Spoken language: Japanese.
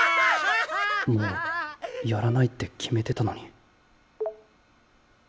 もうやらないって決めてたのに